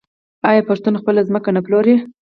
آیا پښتون خپله ځمکه نه پلوري؟